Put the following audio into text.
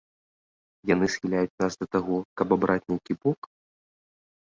Яны схіляюць нас да таго, каб абраць нейкі бок?